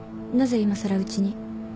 なぜいまさらうちに？